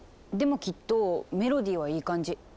でもきっとメロディーはいい感じ。